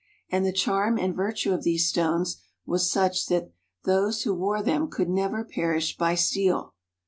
And the charm and virtue of these stones was such that those who wore them could never perish by steel.